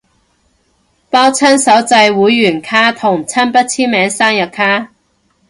包親手製會員卡同親筆簽名生日卡